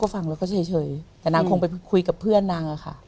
ฟังแล้วก็เฉยแต่นางคงไปคุยกับเพื่อนนางอะค่ะ